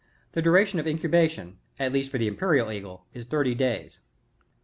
The duratio^i of incubation, (at least for the imperial eagle,) is thirty days.